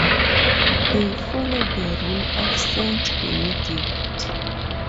They follow the Rule of Saint Benedict.